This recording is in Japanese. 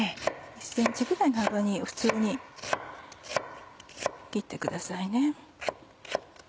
１ｃｍぐらいの幅に普通に切ってください。